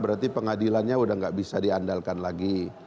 berarti pengadilannya udah nggak bisa diandalkan lagi